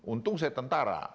untung saya tentara